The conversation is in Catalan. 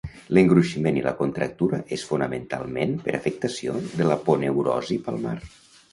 L'engruiximent i la contractura és fonamentalment per afectació de l'aponeurosi palmar.